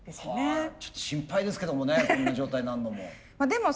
ちょっと心配ですけどもねこんな状態になるのも。